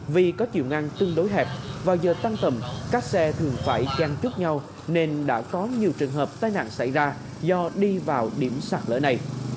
vì có chiều ngang tương đối hẹp vào giờ tăng tầm các xe thường phải chăn trước nhau nên đã có nhiều trường hợp tai nạn xảy ra do đi vào điểm sạt lở này